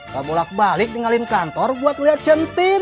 pak bolak balik tinggalin kantor buat liat centin